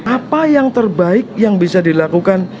apa yang terbaik yang bisa dilakukan